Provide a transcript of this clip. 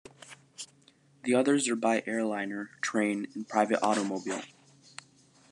The others are by airliner, train, and private automobile.